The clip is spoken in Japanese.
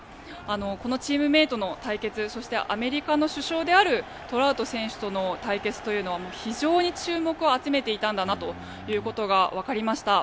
このチームメートの対決そしてアメリカの主将であるトラウト選手との対決というのは非常に注目を集めていたんだなということがわかりました。